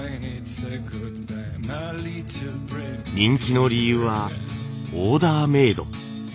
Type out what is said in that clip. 人気の理由はオーダーメード。